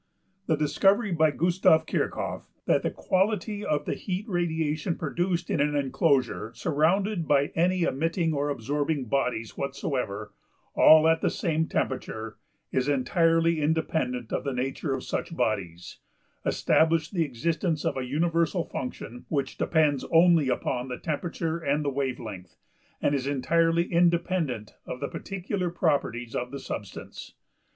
The discovery by Gustav Kirchhoff that the quality of the heat radiation produced in an enclosure surrounded by any emitting or absorbing bodies whatsoever, all at the same temperature, is entirely independent of the nature of such bodies(1)\footnote{The numbers in brackets refer to the notes at the end of the article.}, established the existence of a universal function, which depends only upon the temperature and the wave length, and is entirely independent of the particular properties of the substance.